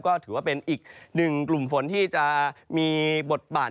ก็ถือว่าเป็นอีกหนึ่งกลุ่มฝนที่จะมีบทบาท